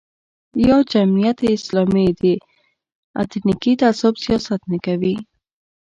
یا جمعیت اسلامي د اتنیکي تعصب سیاست نه کوي.